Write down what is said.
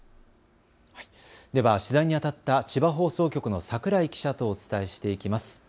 では取材にあたった千葉放送局の櫻井記者とお伝えしていきます。